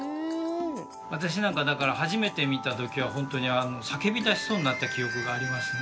私なんかだから初めて見た時は本当に叫びだしそうになった記憶がありますね。